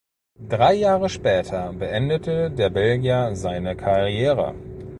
Drei Jahre später beendete der Belgier seine Karriere.